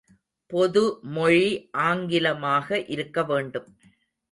பொதுமொழி ஆங்கிலமாக இருக்க வேண்டும்.